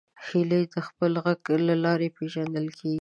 هیلۍ د خپل غږ له لارې پیژندل کېږي